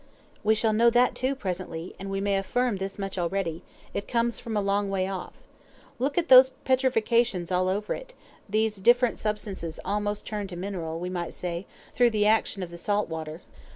"We shall know that, too, presently, and we may affirm this much already it comes from a long way off. Look at those petrifactions all over it, these different substances almost turned to mineral, we might say, through the action of the salt water!